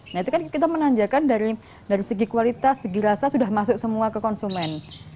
nah itu kan kita menanjakan dari segi kualitas segi rasa sudah masuk semua ke konsumen